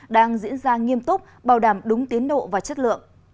đang diễn ra nghiêm túc bảo đảm đúng tiến độ và chất lượng